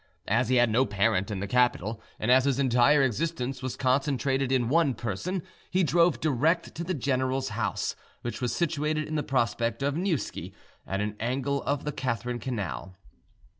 As he had no parent in the capital, and as his entire existence was concentrated in one person, he drove direct to the general's house, which was situated in the Prospect of Niewski, at an angle of the Catherine Canal.